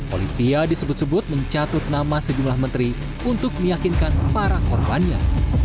olivia disebut sebut mencatut nama sejumlah menteri untuk meyakinkan para korbannya